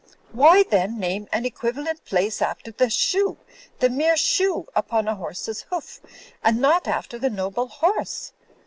Why then name an equiva lent place after the shoo, the mere shoo, upon a horse's hoof, and not after the noble horse?